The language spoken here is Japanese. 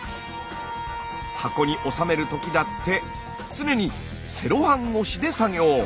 箱におさめる時だって常にセロハン越しで作業。